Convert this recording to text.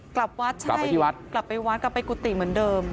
กลับวัดใช่กลับไปวัดกลับไปกุฏิเหมือนเดิม